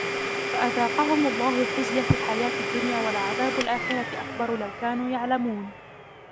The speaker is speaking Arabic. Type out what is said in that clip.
فأذاقهم الله الخزي في الحياة الدنيا ولعذاب الآخرة أكبر لو كانوا يعلمون